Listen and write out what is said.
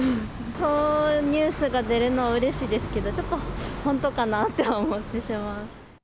そういうニュースが出るのはうれしいですけど、ちょっと本当かなって思ってしまう。